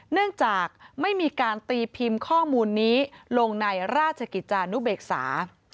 เนื่องจากไม่มีการตีพิมพ์ข้อมูลนี้ลงในราชกิจจานุเบกษา